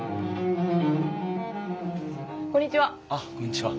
こんにちは。